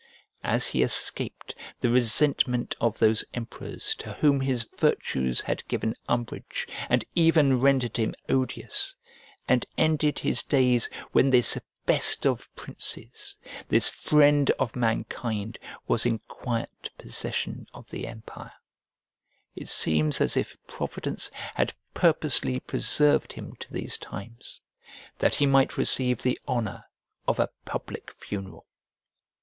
As he escaped the resentment of those emperors to whom his virtues had given umbrage and even rendered him odious, and ended his days when this best of princes, this friend of mankind was in quiet possession of the empire, it seems as if Providence had purposely preserved him to these times, that he might receive the honour of a public funeral.